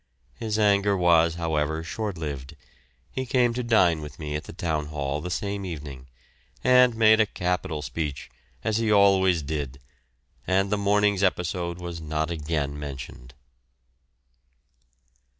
His anger was however short lived; he came to dine with me at the Town Hall the same evening, and made a capital speech, as he always did, and the morning's episode was not again mentioned.